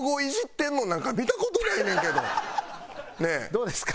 どうですか？